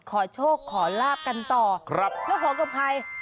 ขอโชคขอลาบกันต่อแล้วขอเกือบภัย